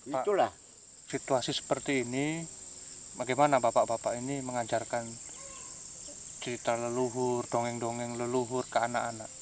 pak situasi seperti ini bagaimana bapak bapak ini mengajarkan cerita leluhur dongeng dongeng leluhur ke anak anak